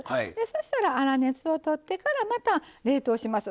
そしたら粗熱をとってからまた冷凍します。